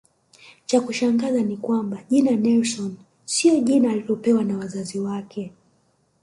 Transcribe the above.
Cha kushangaza ni kwamba jina Nelson siyo jina alilopewa na Wazazi wake